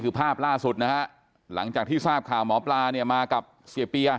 คือภาพล่าสุดนะฮะหลังจากที่ทราบข่าวหมอปลาเนี่ยมากับเสียเปีย